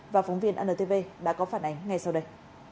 và phóng viên antv đã có phản ánh ngay sau đây